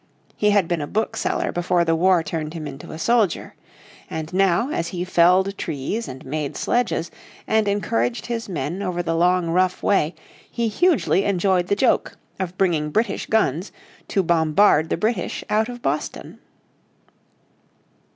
He had been a bookseller before the war turned him into a soldier. And now as he felled trees, and made sledges, and encouraged his men over the long rough way he hugely enjoyed the joke of bringing British guns to bombard the British out of Boston.